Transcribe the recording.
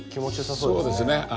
そうですね。